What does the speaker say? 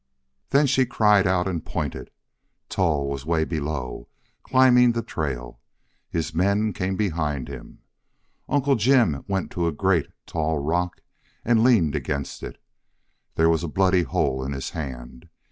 "Then she cried out and pointed. Tull was 'way below, climbing the trail. His men came behind him. Uncle Jim went to a great, tall rock and leaned against it. There was a bloody hole in his hand.